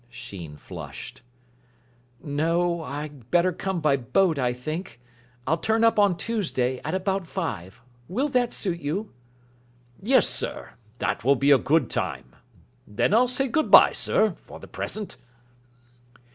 Sheen flushed. "No, I'd better come by boat, I think. I'll turn up on Tuesday at about five. Will that suit you?" "Yes, sir. That will be a good time. Then I'll say good bye, sir, for the present."